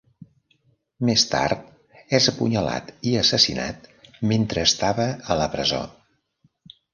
Més tard és apunyalat i assassinat mentre estava a la presó.